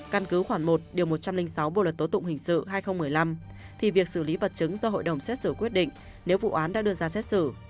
căn cứ khoảng một điều một trăm linh sáu bộ luật tố tụng hình sự hai nghìn một mươi năm thì việc xử lý vật chứng do hội đồng xét xử quyết định nếu vụ án đã đưa ra xét xử